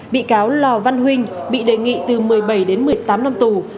bị cáo lò văn huynh bị đề nghị từ một mươi sáu đến một mươi bảy năm tù